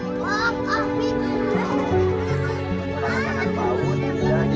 kalau kalian bau tinggal di pinjakan baca aja di sini